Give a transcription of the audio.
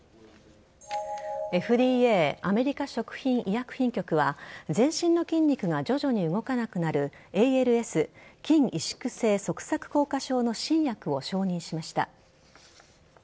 ＦＤＡ＝アメリカ食品医薬品局は全身の筋肉が徐々に動かなくなるＡＬＳ＝筋萎縮性側索硬化症の新薬を承認しました。